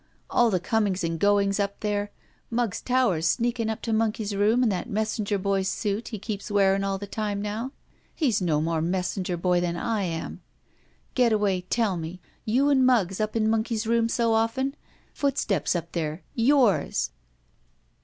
All the comings and goings up there. Mug^ Towers sneaking up to Monkey's room in that messenger boy's suit he keeps wearing all the time now. He's no more messenger boy than I am. Getaway, tell me, you and Muggs up in Monkey's room so often? Footsteps up there! Yours!"